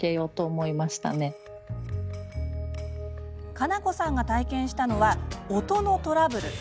かなこさんが体験したのは音のトラブル。